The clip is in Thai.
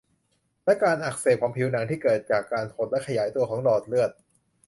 และการอักเสบของผิวหนังที่เกิดจากการหดและขยายตัวของหลอดเลือด